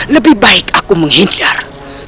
lebih baik aku menghindar